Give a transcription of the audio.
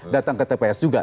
datang ke tps juga